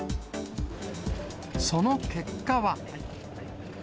その結果は。